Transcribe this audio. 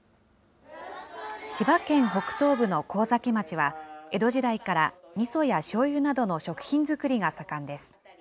千葉県北東部の神崎町は、江戸時代からみそやしょうゆなどの食品造りが盛んです。